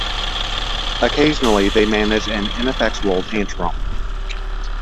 Occasionally they manage an ineffectual tantrum.